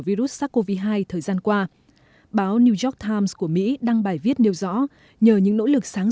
virus sars cov hai thời gian qua báo new york times của mỹ đăng bài viết nêu rõ nhờ những nỗ lực sáng